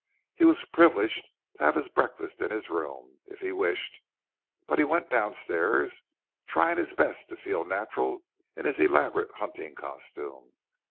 He was privileged to have his breakfast in his room, if he wished; but he went downstairs, trying his best to feel natural in his elaborate hunting costume.